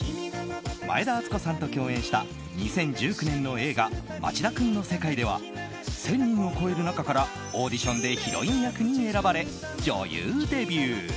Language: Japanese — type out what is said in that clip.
前田敦子さんと共演した２０１９年の映画「町田くんの世界」では１０００人を超える中からオーディションでヒロイン役に選ばれ女優デビュー。